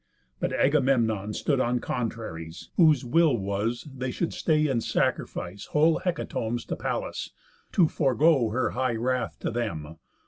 But Agamemnon stood on contraries, Whose will was, they should stay and sacrifice Whole hecatombs to Pallas, to forego Her high wrath to them.